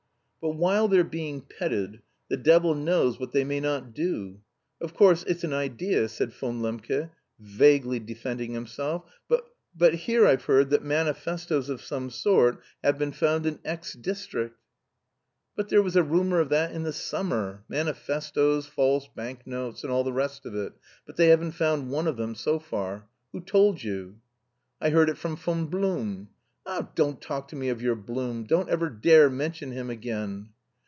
"But while they're being petted... the devil knows what they may not do. Of course, it's an idea..." said Von Lembke, vaguely defending himself, "but... but here I've heard that manifestoes of some sort have been found in X district." "But there was a rumour of that in the summer manifestoes, false bank notes, and all the rest of it, but they haven't found one of them so far. Who told you?" "I heard it from Von Blum." "Ah, don't talk to me of your Blum. Don't ever dare mention him again!"